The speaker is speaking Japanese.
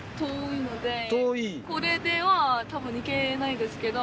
これではたぶん行けないですけど。